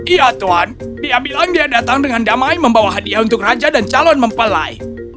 iya tuan dia bilang dia datang dengan damai membawa hadiah untuk raja dan calon mempelai